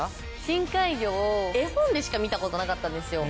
深海魚を絵本でしか見たことなかったんですよ。